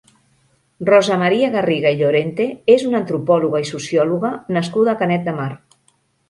Rosa Maria Garriga i Llorente és una antropòloga i sociòloga nascuda a Canet de Mar.